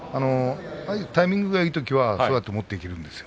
タイミングがいいときはそうやって持っていけるんですよ。